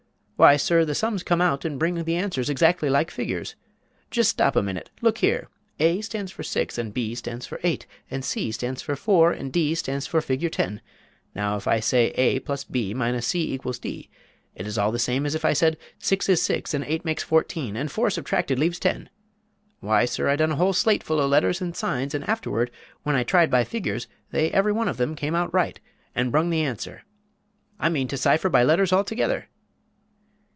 Why, sir, the sums come out, and bring the answers exactly like figures. Jist stop a minute look here: a stands for 6, and b stands for 8, and c stands for 4, and d stands for figure 10; now if I say a plus b minus c equals d, it is all the same as if I said, 6 is 6 and 8 makes 14, and 4 subtracted, leaves 10! Why, sir, I done a whole slate full of letters and signs; and afterward, when I tried by figures, they every one of them came out right and brung the answer! I mean to cypher by letters altogether."